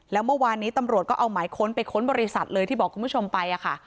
แล้วเมื่อวานนี้ตำรวจก็เอาหมายค้นไปค้นบริษัทเลยที่บอกคุณผู้ชมไปค่ะ